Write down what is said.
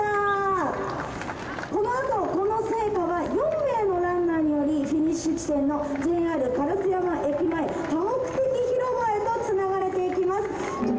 このあとこの聖火は４名のランナーによりフィニッシュ地点のＪＲ烏山駅前多目的広場へとつながれていきます」。